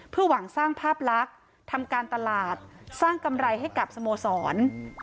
เพื่อหวังสร้างภาพลักษณ์ทำการตลาดสร้างกำไรให้กับสโมสร